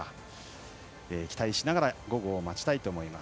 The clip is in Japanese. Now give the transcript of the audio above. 期待しながら午後を待ちたいと思います。